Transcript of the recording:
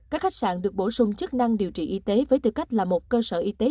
các khách sạn được bổ sung chức năng điều trị y tế với tư cách là một cơ sở y tế